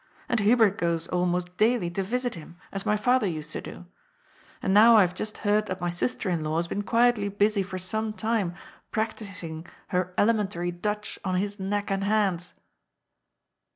And Hubert goes almost daily to yisit him, as my father used to do. And now I haye just 816 GOD'S POOU heard that my sister in law has been quietly busy for some time practising her elementary Dutch on his neck and hands."